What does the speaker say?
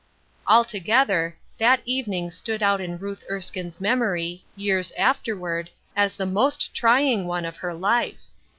Altogether, that evening stood out in Ruth Erskine's memory, years afterward, as the most trying one of her life.